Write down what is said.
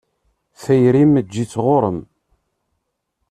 Tayri-m? Eǧǧ-itt ɣur-m.